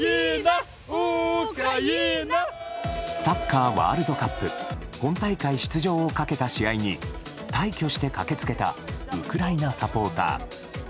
サッカーワールドカップ本大会出場をかけた試合に大挙して駆けつけたウクライナサポーター。